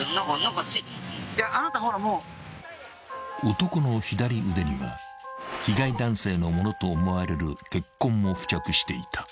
［男の左腕には被害男性のものと思われる血痕も付着していた。